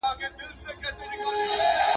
د پردي زوى نه خپله کر مېږنه لور لا ښه ده.